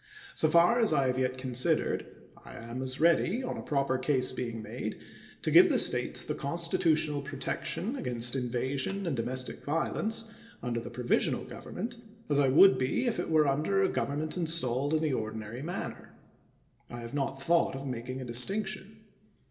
So far as I have yet considered, I am as ready, on a proper case made, to give the State the Constitutional protection against invasion and domestic violence, under the provisional government, as I would be if it were under a government installed in the ordinary manner. I have not thought of making a distinction.